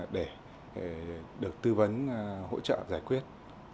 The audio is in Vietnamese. để được tư vấn hỗ trợ giải quyết